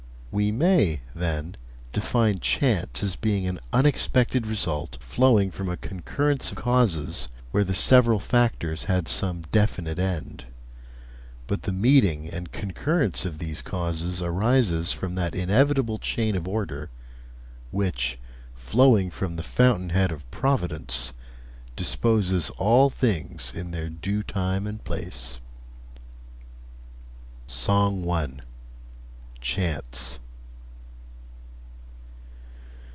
We may, then, define chance as being an unexpected result flowing from a concurrence of causes where the several factors had some definite end. But the meeting and concurrence of these causes arises from that inevitable chain of order which, flowing from the fountain head of Providence, disposes all things in their due time and place.' SONG I. CHANCE.